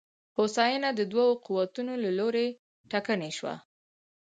هوساینه د دوو قوتونو له لوري ټکنۍ شوه.